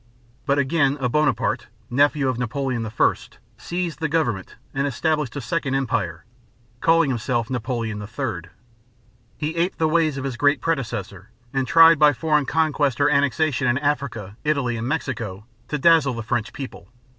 But again a Bonaparte, nephew of Napoleon I, seized the government and established a second empire, calling himself Napoleon III. He aped the ways of his great predecessor and tried by foreign conquest or annexation in Africa, Italy, and Mexico to dazzle the French people.